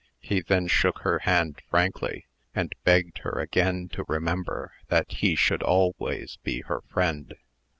He then shook her hand frankly, and begged her again to remember that he should always be her friend.